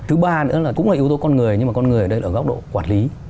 thứ ba nữa là cũng là yếu tố con người nhưng mà con người ở đây là ở góc độ quản lý